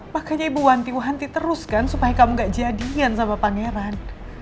makanya ibu wanti wanti terus kan supaya kamu gak jadian sama pangeran